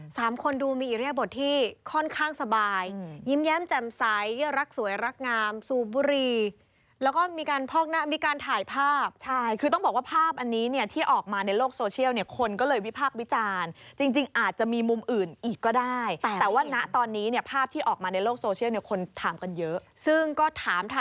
สามคนดูมีอิริยบทที่ค่อนข้างสบายยิ้มแย้มแจ่มใสรักสวยรักงามสูบบุรีแล้วก็มีการพอกหน้ามีการถ่ายภาพใช่คือต้องบอกว่าภาพอันนี้เนี่ยที่ออกมาในโลกโซเชียลเนี่ยคนก็เลยวิพากษ์วิจารณ์จริงจริงอาจจะมีมุมอื่นอีกก็ได้แต่ว่าณตอนนี้เนี่ยภาพที่ออกมาในโลกโซเชียลเนี่ยคนถามกันเยอะซึ่งก็ถามท